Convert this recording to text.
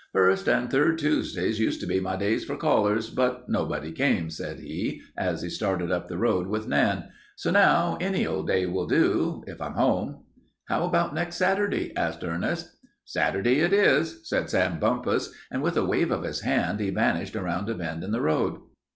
"First and third Tuesdays used to be my days for callers, but nobody came," said he, as he started up the road with Nan. "So now any old day will do if I'm home." "How about next Saturday?" asked Ernest. "Saturday it is," said Sam Bumpus, and with a wave of his hand he vanished around a bend in the road.